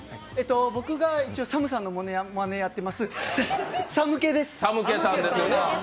僕が一応、ＳＡＭさんのものまねをやっていますさむけです。